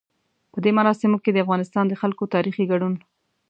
په دې مراسمو کې د افغانستان د خلکو تاريخي ګډون.